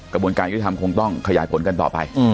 กระบวนการทำคงต้องขยายผลกันต่อไป